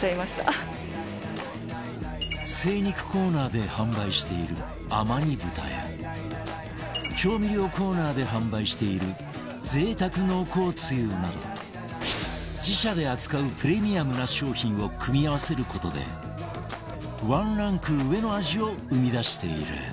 精肉コーナーで販売しているあまに豚や調味料コーナーで販売している贅沢濃厚つゆなど自社で扱うプレミアムな商品を組み合わせる事でワンランク上の味を生み出している